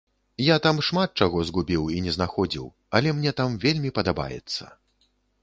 Я там шмат чаго згубіў і не знаходзіў, але мне там вельмі падабаецца.